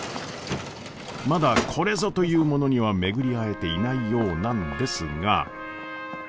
まだこれぞというものには巡り合えていないようなんですが。